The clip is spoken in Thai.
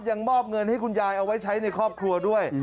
มอบเงินให้คุณยายเอาไว้ใช้ในครอบครัวด้วย